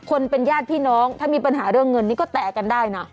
คนเป็นญาติพี่น้องถ้ามีปัญหาเรื่องเงินนี่ก็แตกกันได้นะ